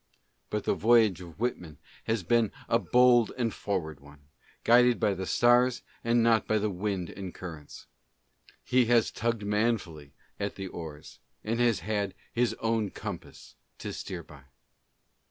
But the voyage of Whitman has been a bold and forward one, guided by the stars and not by the winds and currents ; he has tugged manfully at the oars and has had his own compass to steer by.